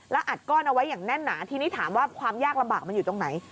อัดก้อนเอาไว้อย่างแน่นหนาทีนี้ถามว่าความยากลำบากมันอยู่ตรงไหน